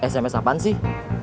sms apaan sih